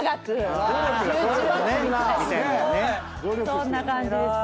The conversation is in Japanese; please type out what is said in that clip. そんな感じです。